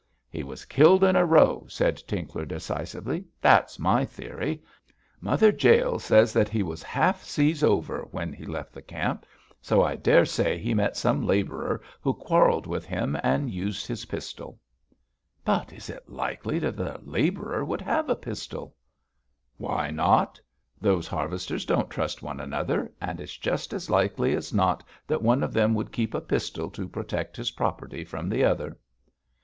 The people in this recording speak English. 'He was killed in a row,' said Tinkler, decisively, 'that's my theory. Mother Jael says that he was half seas over when he left the camp, so I daresay he met some labourer who quarrelled with him and used his pistol.' 'But is it likely that a labourer would have a pistol?' 'Why not? Those harvesters don't trust one another, and it's just as likely as not that one of them would keep a pistol to protect his property from the other.'